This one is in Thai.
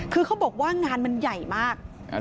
คือเขาบอกว่างานมันใหญ่มาก